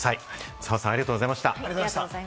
澤さん、ありがとうございました。